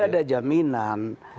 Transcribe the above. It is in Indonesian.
tidak ada jaminan